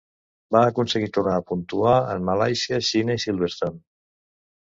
Va aconseguir tornar a puntuar en Malàisia, Xina i Silverstone.